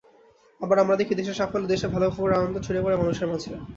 আবার আমরা দেখি, দেশের সাফল্যে, দেশের ভালো খবরে আনন্দ ছড়িয়ে পড়ে মানুষের মাঝে।